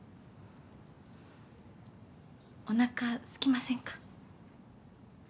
おなかすきませんか？